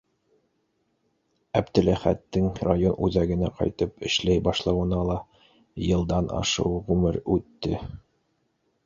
Әптеләхәттең район үҙәгенә ҡайтып эшләй башлауына ла йылдан ашыу ғүмер үтте.